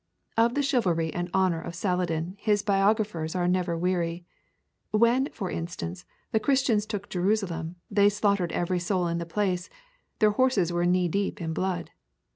Of the chivalry and honor of Saladin his biographers are never weary. When, for instance, the Christians took Jerusalem they slaughtered every soul in the place; their horses were knee deep in blood.